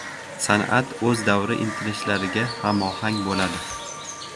San’at o‘z davri intilishlariga hamohang bo‘ladi.